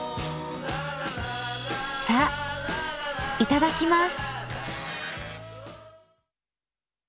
さあいただきます。